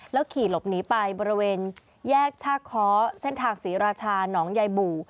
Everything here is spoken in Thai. แล้วขี่หลบหนีไปบริเวณแยกชากคอเส้นถักศรีราชาน้องใยบู่